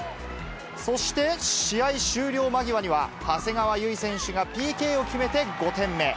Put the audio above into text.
そして試合終了間際には、長谷川唯選手がＰＫを決めて５点目。